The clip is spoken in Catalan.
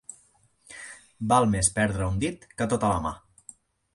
Val més perdre un dit que tota la mà.